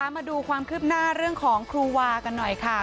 มาดูความคืบหน้าเรื่องของครูวากันหน่อยค่ะ